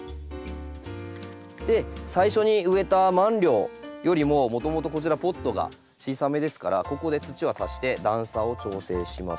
で最初に植えたマンリョウよりももともとこちらポットが小さめですからここで土は足して段差を調整します。